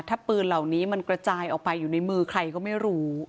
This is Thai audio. ถ้าปืนเหล่านี้มันกระจายออกไปอยู่ในมือใครก็ไม่รู้